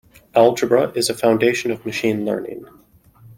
Algebra is a foundation of Machine Learning.